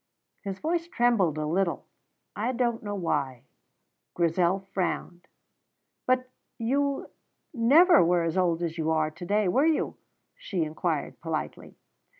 His voice trembled a little, I don't know why. Grizel frowned. "But you never were as old as you are to day, were you?" she inquired politely.